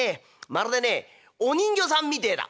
まるでねお人形さんみてえだ」。